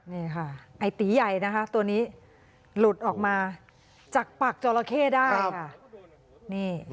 นี่ค่ะไอ้ตีใหญ่นะคะตัวนี้หลุดออกมาจากปากจอราเข้ได้ค่ะ